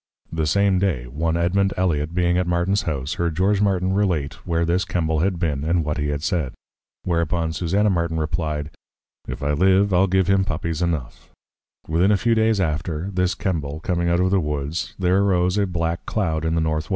_ The same Day, one Edmond Eliot, being at Martin's House, heard George Martin relate, where this Kembal had been, and what he had said. Whereupon Susanna Martin replied, If I live, I'll give him Puppies enough! Within a few days after, this Kembal, coming out of the Woods, there arose a little Black Cloud in the N. W.